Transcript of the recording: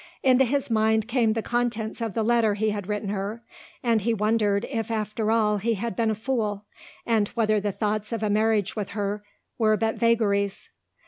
Into his mind came the contents of the letter he had written her, and he wondered if after all he had been a fool, and whether the thoughts of a marriage with her were but vagaries.